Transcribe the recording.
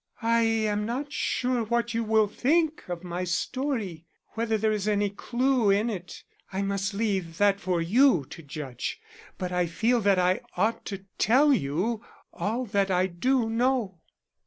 "I am not sure what you will think of my story whether there is any clue in it. I must leave that for you to judge. But I feel that I ought to tell you all that I do know."